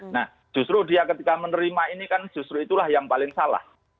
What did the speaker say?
nah justru dia ketika menerima ini kan justru itulah yang paling salah